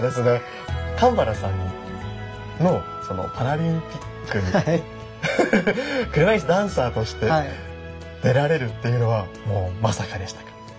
かんばらさんのパラリンピックに車椅子ダンサーとして出られるっていうのはもうまさかでしたか？